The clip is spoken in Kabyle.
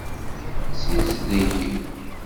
Sizdeg.